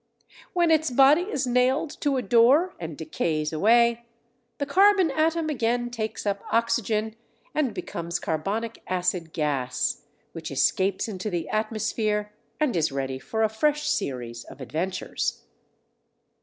When its body is nailed to a door and decays away, the carbon atom again takes up oxygen and becomes carbonic acid gas, which escapes into the atmosphere, and is ready for a fresh series of adventures.